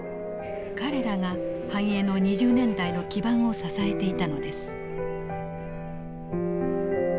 彼らが繁栄の２０年代の基盤を支えていたのです。